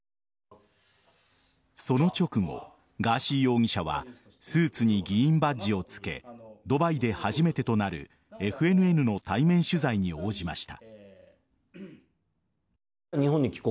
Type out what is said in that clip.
その直後、ガーシー容疑者はスーツに議員バッジをつけドバイで初めてとなるＦＮＮの対面取材に応じました。